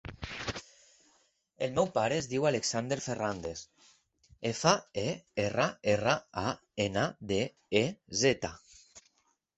El meu pare es diu Alexander Ferrandez: efa, e, erra, erra, a, ena, de, e, zeta.